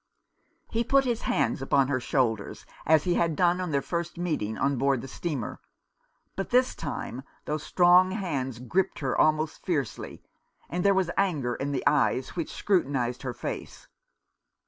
He put his hands upon her shoulders, as he had done on their first meeting on board the steamer ; but this time those strong hands gripped her almost fiercely, and there was anger in the eyes which scrutinized her face.